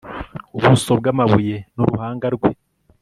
Ubuso bwamabuye nu ruhanga rwe